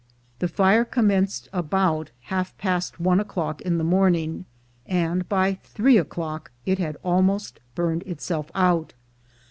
The fire commenced about half past one o'clock in the morning, and by three o'clock it had almost burned itself out.